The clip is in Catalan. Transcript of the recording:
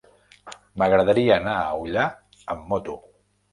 M'agradaria anar a Ullà amb moto.